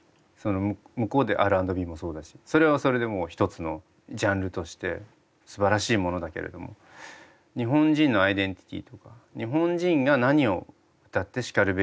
その向こうでＲ＆Ｂもそうだしそれはそれでもう一つのジャンルとしてすばらしいものだけれども日本人のアイデンティティーとか日本人が何を歌ってしかるべきか。